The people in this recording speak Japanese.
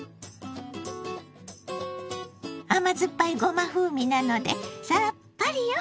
甘酸っぱいごま風味なのでさっぱりよ！